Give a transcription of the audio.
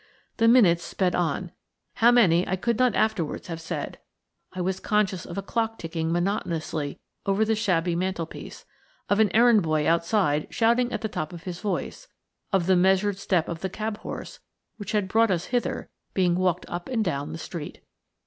The minutes sped on–how many I could not afterwards have said. I was conscious of a clock ticking monotonously over the shabby mantelpiece, of an errand boy outside shouting at the top of his voice, of the measured step of the cab horse which had brought us hither being walked up and down the street.